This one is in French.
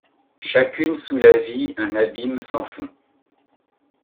Chacune sous la vie un abîme sans fond.